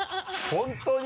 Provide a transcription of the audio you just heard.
本当に？